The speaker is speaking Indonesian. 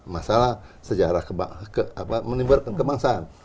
masalah sejarah menimbulkan kebangsaan